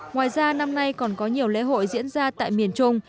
ngoài ra năm nay còn có nhiều lễ hội diễn ra tại miền trung